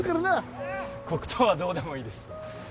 黒糖はどうでもいいです。